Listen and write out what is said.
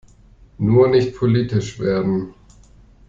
Nur nicht politisch werden!